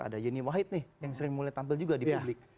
ada yeni wahid nih yang sering mulai tampil juga di publik